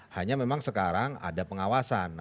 hanya memang sekarang ada pengawasan